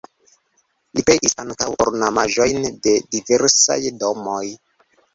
Li kreis ankaŭ ornamaĵojn de diversaj domoj.